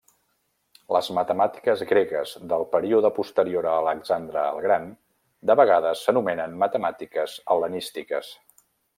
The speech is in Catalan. Les matemàtiques gregues del període posterior a Alexandre el Gran de vegades s'anomenen matemàtiques hel·lenístiques.